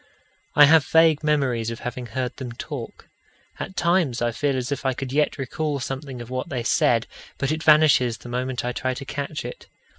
I have vague memories of having heard them talk. At times I feel as if I could yet recall something of what they said, but it vanishes the moment I try to catch it.